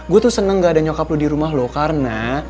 gue tuh seneng gak ada nyokap lo di rumah loh karena